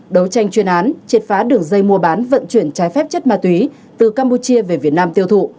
đấu tranh chuyên án triệt phá đường dây mua bán vận chuyển trái phép chất ma túy từ campuchia về việt nam tiêu thụ